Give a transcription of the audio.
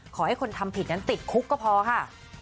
ขอให้คนทำผิดนั้นติดคุกก็พอค่ะ